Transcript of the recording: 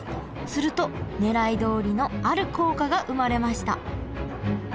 するとねらいどおりのある効果が生まれました。